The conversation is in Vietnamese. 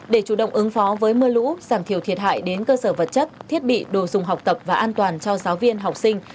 để chủ động ứng phó với mưa lũ giảm thiểu thiệt hại đến cơ sở vật chất thiết bị đồ dùng học tập và an toàn cho giáo viên học sinh